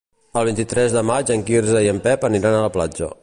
El vint-i-tres de maig en Quirze i en Pep aniran a la platja.